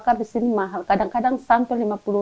biar saya bisa agak enakan untuk hanya menginap